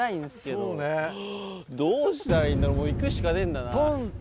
どうしたらいいんだろうもう行くしかねえんだな。